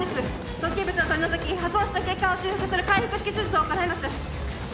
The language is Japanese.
突起物を取り除き破損した血管を修復する開腹止血術を行います